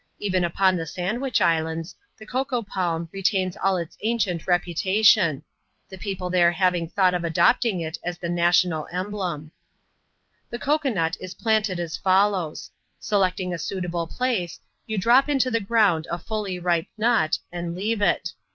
Even upon tbe Sandwich Islands, the cocoa palm retains all its ancient repiitaftion; the people there having thought of adopting it as the national emhknu The cocoa nut i& planted as follows : Sheeting a suitable ]^ace, you drop into the ground a fully ripe nut, and leave it.